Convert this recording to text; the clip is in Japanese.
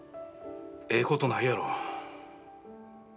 ええことないやろ。